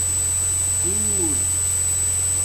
دُݸر